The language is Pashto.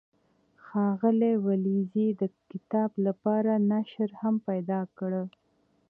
ښاغلي ولیزي د کتاب لپاره ناشر هم پیدا کړ.